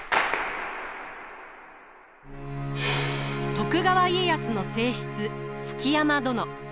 徳川家康の正室築山殿。